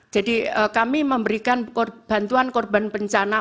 jadi kami memberikan bantuan korban bencana